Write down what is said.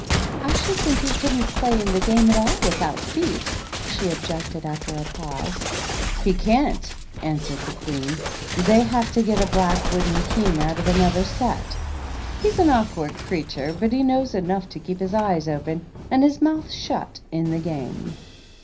"I should think he couldn't play in the game at all without feet," she objected, after a pause. " He can't," answered the Queen. " They have to get a black wooden King out of another set. He's an awkward creature, but he knows enough to keep his eyes open and his mouth shut in the game."